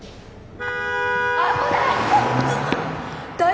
危ない！